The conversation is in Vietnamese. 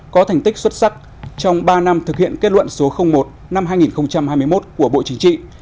có thành tích xuất sắc trong ba năm thực hiện kết luận số một năm hai nghìn hai mươi một của bộ chính trị